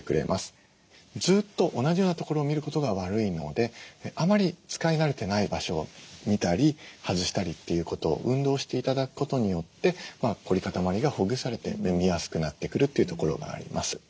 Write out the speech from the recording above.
ずっと同じような所を見ることが悪いのであまり使い慣れてない場所を見たり外したりっていうこと運動して頂くことによって凝り固まりがほぐされて見やすくなってくるというところがあります。